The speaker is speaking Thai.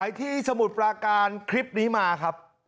ที่สมุทรปราการคลิปนี้มาครับ